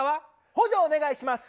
補助お願いします。